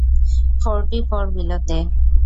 Forty four বিলোতে।